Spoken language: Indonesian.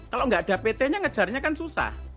kalau nggak ada pt nya ngejarnya kan susah